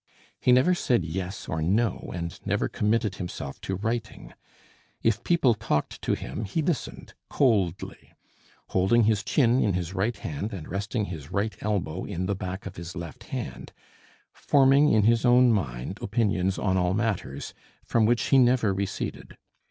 He never said yes, or no, and never committed himself to writing. If people talked to him he listened coldly, holding his chin in his right hand and resting his right elbow in the back of his left hand, forming in his own mind opinions on all matters, from which he never receded.